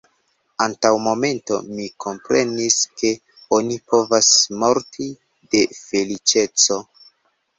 Antaŭ momento mi komprenis, ke oni povas morti de feliĉeco.